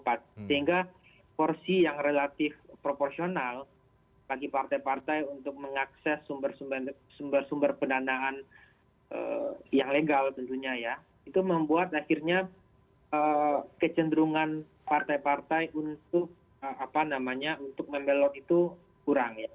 sehingga porsi yang relatif proporsional bagi partai partai untuk mengakses sumber sumber pendanaan yang legal tentunya ya itu membuat akhirnya kecenderungan partai partai untuk membelot itu kurang ya